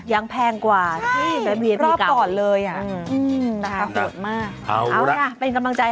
ฮ่าวใส่ไทยสดกว่าไทย